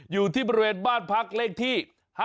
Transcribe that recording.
อยู่ที่บริเวณบ้านพักเลขที่๕๗